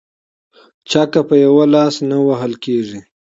ـ چکه په يوه لاس نه وهل کيږي.